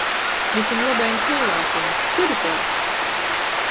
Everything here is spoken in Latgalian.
Vysim lobajim cylvākim! Turitēs!